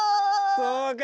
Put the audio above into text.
そうか？